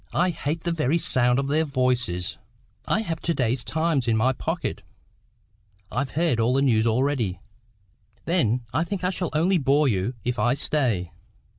I hate the very sound of their voices." "I have got to day's Times in my pocket." "I've heard all the news already." "Then I think I shall only bore you if I stay."